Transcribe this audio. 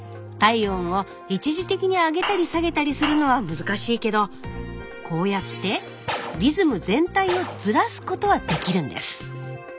体温を一時的に上げたり下げたりするのは難しいけどこうやってリズム全体をずらすことはできるんです！